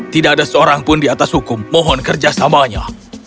tidak ada seorang pun di atas hukum mohon kerjasamanya